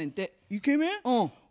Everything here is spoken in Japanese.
イケメン！